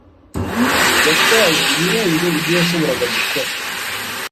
Yatwaye ibirenze ibyo yashoboraga gukora.